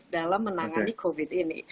dalam menangani covid ini